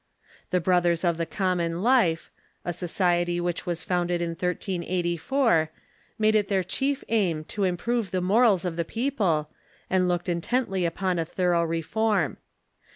The Brothers of the Common Life, a society which was founded in 1384, made it their chief aim to im prove the morals of the people, and looked intently upon a thorough reform.